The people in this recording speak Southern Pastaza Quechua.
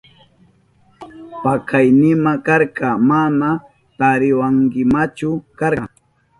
Pakaynima karka, mana tariwankimachu karka.